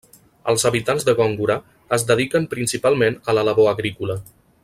Els habitants de Góngora es dediquen principalment a la labor agrícola.